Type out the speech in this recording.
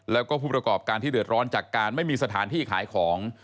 แล้วก็ผู้ประกอบการที่เดือดร้อนจากการไม่มีสถานที่ขายของ